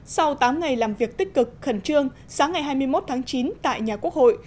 sau tám ngày làm việc tích cực khẩn trương sáng ngày hai mươi một tháng chín tại nhà quốc hội